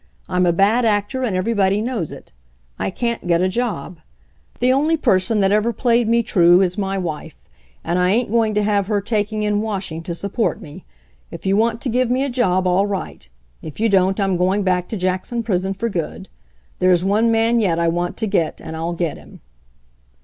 I'm a bad actor, and everybody knows it. I can't get a job. The only person that ever played me true is my wife, and I ain't going to have her taking in washing to support me. If you want to give me a job, all right. If you don't I'm going back to Jackson prison for good. There's one man yet I want to get, and I'll get him."